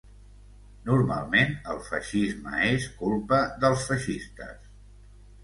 Normalment el feixisme és culpa dels feixistes.